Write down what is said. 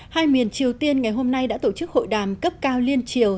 hai miền triều tiên ngày hôm nay đã tổ chức hội đàm cấp cao liên triều